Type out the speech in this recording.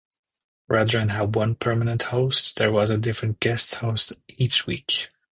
Rather than have one permanent host there was a different guest host each week.